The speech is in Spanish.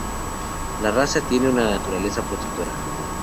La raza tiene una naturaleza protectora.